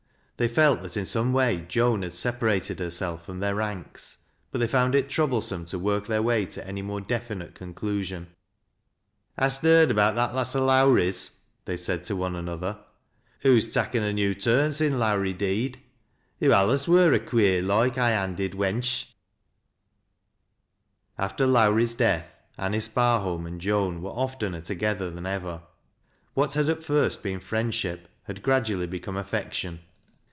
Thej felt that in some way Joan had separated herself from their ranks, but they found it troublesome to work theii way to any more definite conclusion. " Hast heard about that lass o' Lowrie's ?" they said to one another ;" hoo's takken a new turn sin' Lowrie deed ; hoc alius wur a queer loike, high handed wench." After Lowrie's death, Anice Barholm and Joan were oftener together than ever. What had at first been frieiid ahip had gradually become affection.